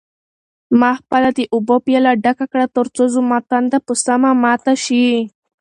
ما خپله د اوبو پیاله ډکه کړه ترڅو زما تنده په سمه ماته شي.